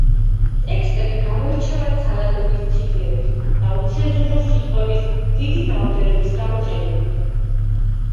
ტექსტები გამოირჩევა ძალადობის ციტირებით და უცენზურო სიტყვების დიდი რაოდენობის გამოყენებით.